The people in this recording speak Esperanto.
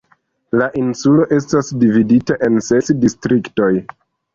La insulo estas dividata en ses distriktoj.